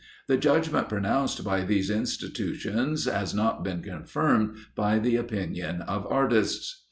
The judgment pronounced by these institutions has not been confirmed by the opinion of artists.